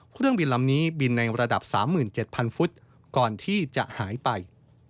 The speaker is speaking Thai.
เครื่องบินลำนี้บินในระดับ๓๗๐๐ฟุตก่อนที่จะหายไป